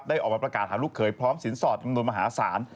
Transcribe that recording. ออกมาประกาศหาลูกเคยพร้อมสินสอดจำนวนมหาศาล